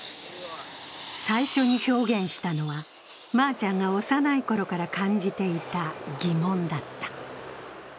最初に表現したのは、まーちゃんが幼い頃から感じていた疑問だった。